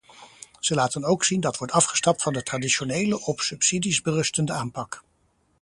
Zij laten ook zien dat wordt afgestapt van de traditionele, op subsidies berustende aanpak.